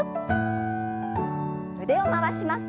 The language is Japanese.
腕を回します。